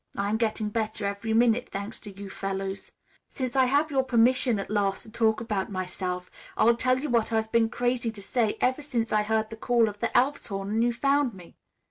I am getting better every minute, thanks to you fellows. Since I have your permission at last to talk about myself, I'll tell you what I've been crazy to say ever since I heard the call of the Elf's Horn and you found me."